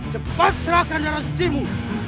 cepat serahkan darah suci mu